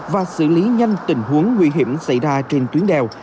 và xử lý nhanh tình huống nguy hiểm xảy ra trên tuyến đèo